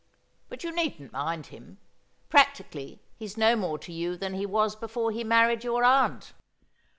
But you needn't mind him. Practically he's no more to you than he was before he married your aunt.'